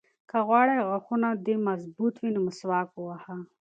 که غواړې چې غاښونه دې مضبوط وي نو مسواک وهه.